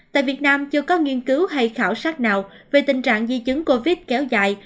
tại việt nam chưa có nghiên cứu hay khảo sát nào về tình trạng di chứng covid kéo dài